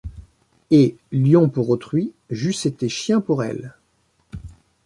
Et, lion pour autrui, j'eusse été chien pour elle !